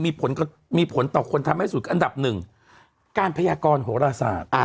มีผลก็มีผลต่อคนทำให้สุดอันดับหนึ่งการพยากรโหราศาสตร์